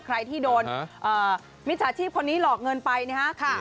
ใครที่โดนมิจฉาชีพคนนี้หลอกเงินไปนะครับ